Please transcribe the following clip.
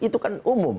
itu kan umum